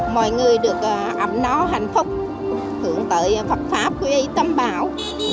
mọi người được ẩm nó hạnh phúc thượng tợi phật pháp quý tâm bảo